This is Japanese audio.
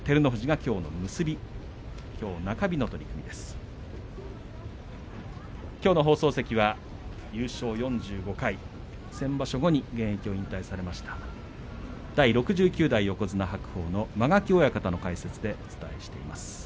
きょうの放送席は、優勝４５回先場所後に現役を引退されました第６９代横綱白鵬の間垣親方の解説でお伝えしています。